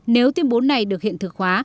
nếu tuyên bố này được hiện thực hóa